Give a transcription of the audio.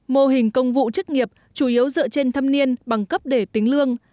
mô hình công vụ chức nghiệp chủ yếu dựa trên thâm niên bằng cấp để tính lương